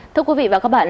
thưa quý vị và các bạn